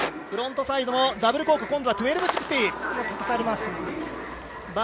フロントサイドダブルコーク１０８０。